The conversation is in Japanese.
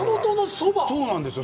そうなんですよ。